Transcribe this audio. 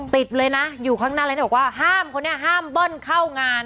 ติดเลยนะอยู่ข้างหน้าแล้วบอกว่าห้ามคนนี้ห้ามเบิ้ลเข้างาน